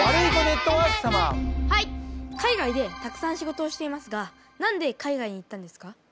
海外でたくさん仕事をしていますが何で海外に行ったんですか？